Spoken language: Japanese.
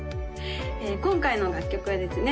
今回の楽曲はですね